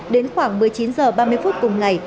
đến khoảng một mươi chín h ba mươi phút cùng ngày